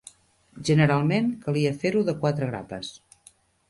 Generalment calia fer-ho de quatre grapes.